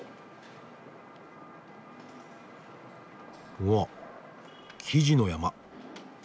うわ生地の山。